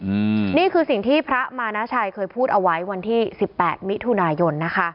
อืมนี่คือสิ่งที่พระมานาชัยเคยพูดเอาไว้วันที่สิบแปดมิถุนายนนะคะ